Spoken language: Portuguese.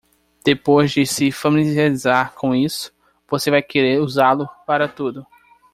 Depois de se familiarizar com isso, você vai querer usá-lo para tudo.